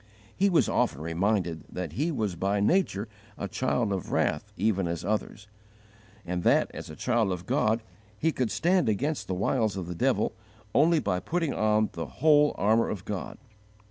He was often reminded that he was by nature a child of wrath even as others, and that, as a child of God, he could stand against the wiles of the devil only by putting on the whole armour of God.